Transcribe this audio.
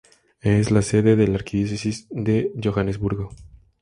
Es la sede de la Arquidiócesis de Johannesburgo.